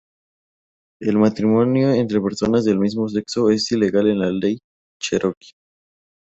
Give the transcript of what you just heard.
El matrimonio entre personas del mismo sexo es ilegal en la ley Cheroqui.